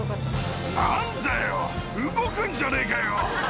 なんだよ、動くんじゃねえかよ。